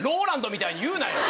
ＲＯＬＡＮＤみたいに言うなよ！